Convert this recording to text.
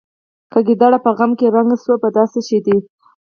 که ګیدړ په خم کې رنګ شو په دا څه شي.